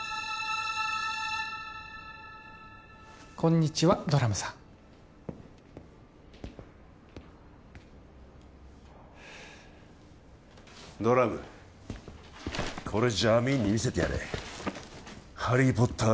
こんにちはドラムさんドラムこれジャミーンに見せてやれ「ハリー・ポッター」